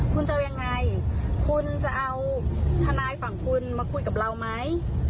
คุณจะเอายังไงคุณจะเอาทนายฝั่งคุณมาคุยกับเราไหม